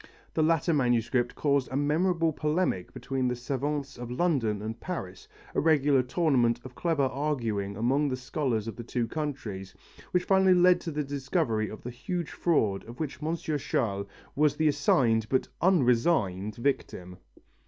The latter manuscript caused a memorable polemic between the savants of London and Paris, a regular tournament of clever arguing among the scholars of the two countries, which finally led to the discovery of the huge fraud of which M. Chasles was the assigned but unresigned victim.